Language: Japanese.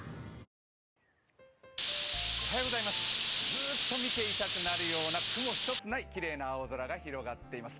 ずっと見ていたくなるような雲一つないきれいな青空が広がっています。